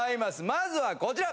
まずはこちら！